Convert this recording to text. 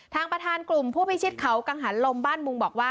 ทางประธานกลุ่มผู้พิชิตเขากังหันลมบ้านมุงบอกว่า